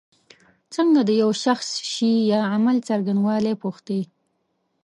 څنګه د یو شخص شي یا عمل څرنګوالی پوښتی.